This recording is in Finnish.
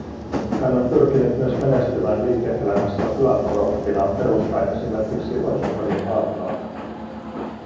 Hän on pyrkinyt myös menestymään liike-elämässä filantrooppina perustaen esimerkiksi orpokodin maatilalle